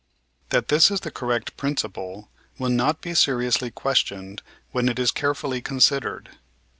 That this is the correct principle will not be seriously questioned when it is carefully considered.